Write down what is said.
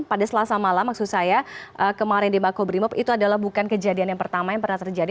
pada selasa malam maksud saya kemarin di makobrimob itu adalah bukan kejadian yang pertama yang pernah terjadi